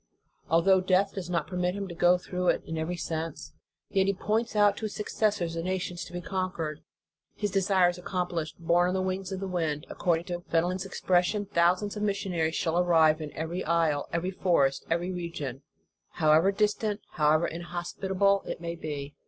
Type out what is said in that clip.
* Although death does not permit him to go through it in every sense, yet he points out to his successors the nations to be conquered. His desire is accomplished. Borne on the wings of the wind, according to Fenelon s expression, thousands of missionaries shall arrive in every isle, every forest, every region, however distant, however inhospita ble it may be.